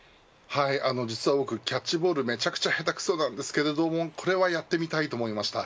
実は僕キャッチボールめちゃくちゃ下手くそなんですけどこれはやってみたいと思いました。